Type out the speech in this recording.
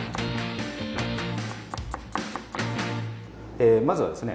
えまずはですね